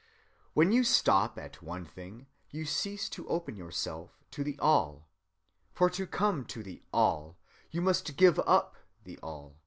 "When you stop at one thing, you cease to open yourself to the All. "For to come to the All you must give up the All.